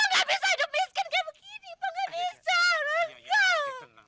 mama gak bisa hidup miskin kayak begini pak